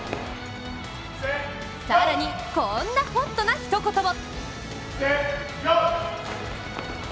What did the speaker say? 更に、こんなホットなひと言も！